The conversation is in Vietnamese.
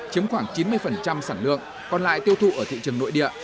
chiếm khoảng chín mươi sản lượng còn lại tiêu thụ ở thị trường nội địa